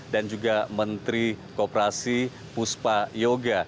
dan juga menteri koperasi puspa yoga